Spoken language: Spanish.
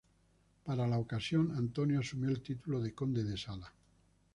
Para la ocasión, Antonio asumió el título de conde de Sala.